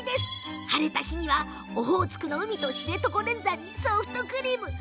晴れた日にはオホーツクの海と知床連山にソフトクリーム。